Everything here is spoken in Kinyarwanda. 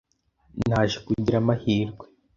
Naje kugira amahirwe